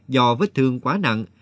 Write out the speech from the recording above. do vết thương quá nặng